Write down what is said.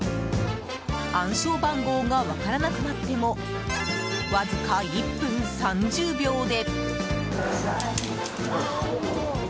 暗証番号が分からなくなってもわずか１分３０秒で。